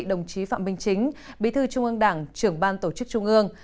đồng chí phạm minh chính bí thư trung ương đảng trưởng ban tổ chức trung ương